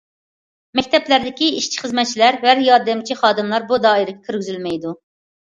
مەكتەپلەردىكى ئىشچى- خىزمەتچىلەر ۋە ياردەمچى خادىملار بۇ دائىرىگە كىرگۈزۈلمەيدۇ.